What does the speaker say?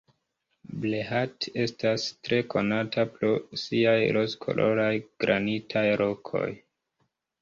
Brehat estas tre konata pro siaj rozkoloraj granitaj rokoj.